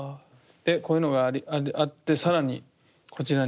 でこういうのがあって更にこちらに。